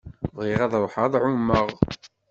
Bɣiɣ ad ṛuḥeɣ ad ɛummeɣ.